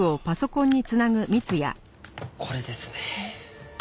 これですね。